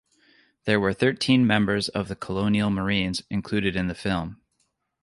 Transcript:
There were thirteen members of the Colonial Marines included in the film.